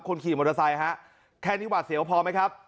คนขี่มอเตอร์ไซค์ฮะแค่นี้หวาดเสียวพอไหมครับ